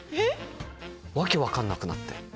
訳分かんなくなって。